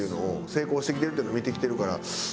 成功してきてるっていうのを見てきてるから。